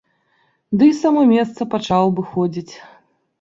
Ды й само месца пачаў абыходзіць.